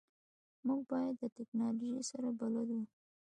موږ باید د تکنالوژی سره بلد وو